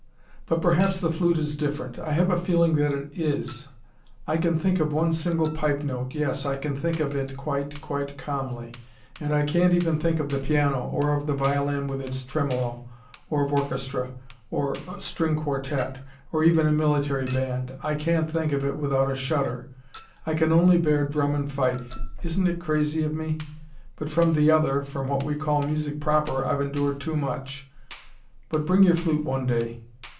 But perhaps the flute is different. I have a feeling that it is. I can think of one single pipe note yes, I can think of it quite, quite calmly. And I can't even think of the piano, or of the violin with its tremolo, or of orchestra, or of a string quartette or even a military band I can't think of it without a shudder. I can only bear drum and fife. Isn't it crazy of me but from the other, from what we call music proper, I've endured too much. But bring your flute one day.